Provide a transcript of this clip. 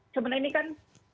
sebenarnya ini kan